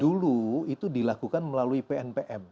dulu itu dilakukan melalui pnpm